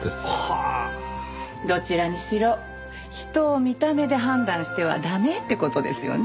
どちらにしろ人を見た目で判断しては駄目って事ですよね。